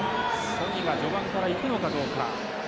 ソニは序盤からいくのかどうか。